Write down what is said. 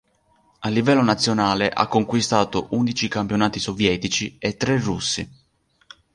A livello nazionale, ha conquistato undici campionati sovietici e tre russi.